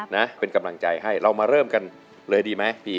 นะเป็นกำลังใจให้เรามาเริ่มกันเลยดีไหมพี่